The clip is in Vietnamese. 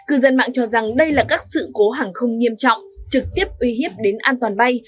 cư dân mạng cho rằng đây là các sự cố hàng không nghiêm trọng trực tiếp uy hiếp đến an toàn bay